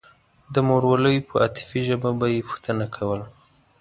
د مورولۍ په عاطفي ژبه به يې پوښتنه کوله.